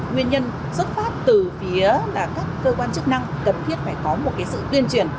nguyên nhân xuất phát từ phía các cơ quan chức năng cần thiết phải có một sự tuyên truyền